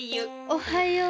おはよう。